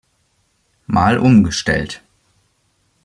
Mal umgestellt.